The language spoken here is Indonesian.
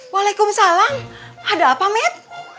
waalaikumsalam pada pamit